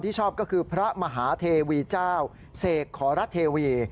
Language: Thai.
ชอบก็คือพระมหาเทวีเจ้าเสกขอรัฐเทวี